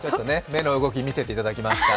目の動き、見させていただきました。